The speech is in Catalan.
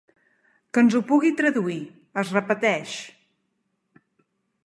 Que ens ho pugui traduir, es repeteix.